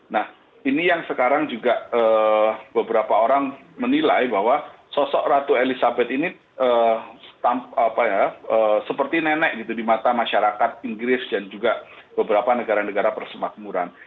nah ini yang sekarang juga beberapa orang menilai bahwa sosok ratu elizabeth ini seperti nenek gitu di mata masyarakat inggris dan juga beberapa negara negara persemakmuran